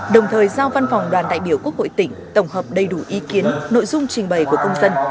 đồng thời giao văn phòng đoàn đại biểu quốc hội tỉnh tổng hợp đầy đủ ý kiến nội dung trình bày của công dân